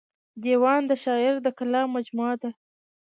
دېوان د شاعر د کلام مجموعه ده.